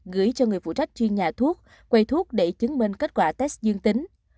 gửi cho người phụ trách chuyên nhà thuốc quầy thuốc để chứng minh kết quả test dương tính